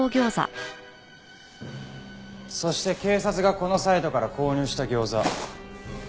そして警察がこのサイトから購入した餃子。